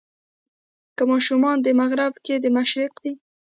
که ماشومان د مغرب که د مشرق دي.